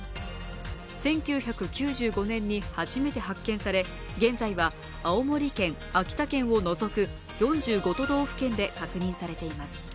１９９５年に初めて発見され現在は青森県、秋田県を除く４５都道府県で確認されています。